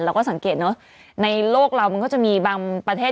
เราก็สังเกตเนอะในโลกเรามันก็จะมีบางประเทศ